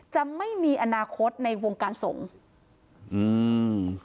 จะไม่มีอนาคตในวงการสงฆ์อืม